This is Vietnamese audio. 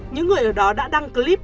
những người ở đó đã đăng clip